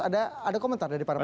ada komentar dari pak jokowi